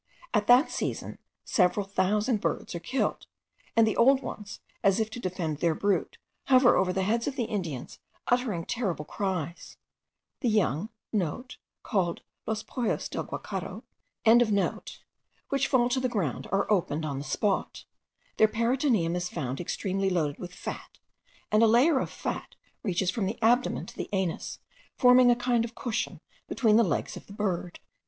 At that season several thousand birds are killed; and the old ones, as if to defend their brood, hover over the heads of the Indians, uttering terrible cries. The young,* (* Called Los pollos del Guacharo.) which fall to the ground, are opened on the spot. Their peritoneum is found extremely loaded with fat, and a layer of fat reaches from the abdomen to the anus, forming a kind of cushion between the legs of the bird.